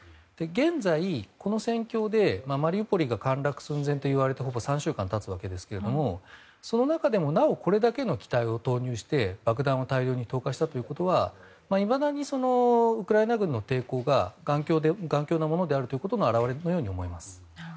現在、この戦況でマリウポリが陥落寸前といわれてほぼ３週間経つわけですがその中でもなおこれだけの機体を投入して爆弾を大量に投下したということはいまだにウクライナ軍の抵抗が頑強なものだということの表れのように思われます。